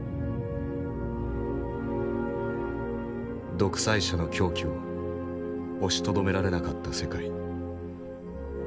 独裁者の狂気を押しとどめられなかった世界。